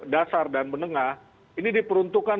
dasar dan menengah ini diperuntukkan